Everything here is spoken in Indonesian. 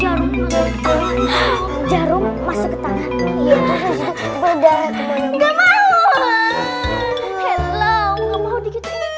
hello nggak mau dikit